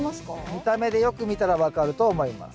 見た目でよく見たら分かると思います。